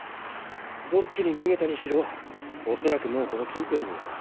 どっちに逃げたにしろ恐らくもうこの近辺には。